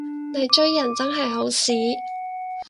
你追人真係好屎